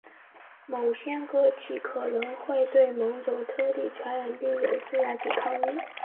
某些个体可能会对某种特定传染病有自然抵抗力。